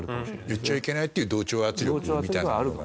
言っちゃいけないっていう同調圧力みたいなものが。